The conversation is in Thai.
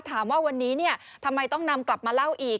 ถามว่าวันนี้ทำไมต้องนำกลับมาเล่าอีก